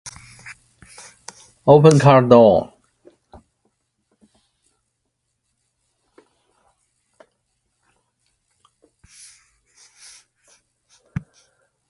But I have more distance.